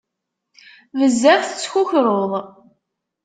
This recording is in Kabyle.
Bezzaf tettkukruḍ.